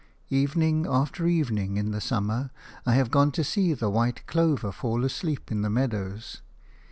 Evening after evening, in the summer, I have gone to see the white clover fall asleep in the meadows.